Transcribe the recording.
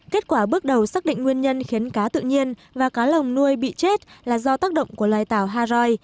kết quả bước đầu xác định nguyên nhân khiến cá tự nhiên và cá lồng nuôi bị chết là do tác động của loài tảo hai